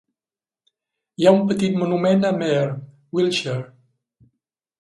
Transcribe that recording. Hi ha un petit monument a Mere, Wiltshire.